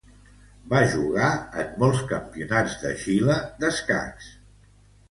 Va jugar en molts Campionats de Xile d'escacs.